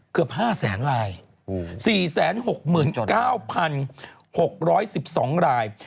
เกือบ๕แสนราย๔๖๙๖๑๒ราย